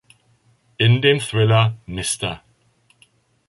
In dem Thriller "Mr.